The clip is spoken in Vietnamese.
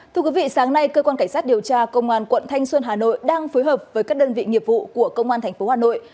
thưa quý vị sáng nay cơ quan cảnh sát điều tra công an quận thanh xuân hà nội đang phối hợp với các đơn vị nghiệp vụ của công an tp hà nội